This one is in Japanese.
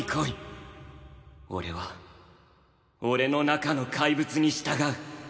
俺は俺の中のかいぶつに従う。